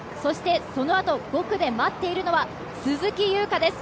そのあと５区で待っているのは鈴木優花です。